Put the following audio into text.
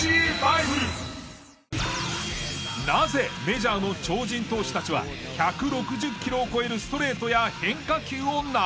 なぜメジャーの超人投手たちは１６０キロを超えるストレートや変化球を投げられるのか？